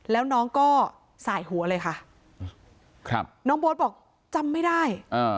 แล้วน้องก็สายหัวเลยค่ะครับน้องโบ๊ทบอกจำไม่ได้